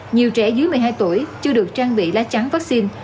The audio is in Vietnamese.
nhiều trẻ dưới một mươi hai tuổi chưa được trang bị lá trắng vaccine